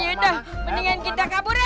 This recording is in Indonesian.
mendingan kita kabur aja